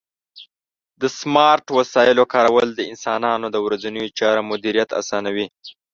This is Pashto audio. د سمارټ وسایلو کارول د انسانانو د ورځنیو چارو مدیریت اسانوي.